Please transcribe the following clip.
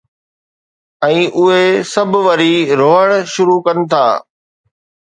۽ اهي سڀ وري روئڻ شروع ڪن ٿا.